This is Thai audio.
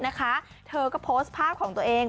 เธอก็โพสต์ภาพของตัวเอง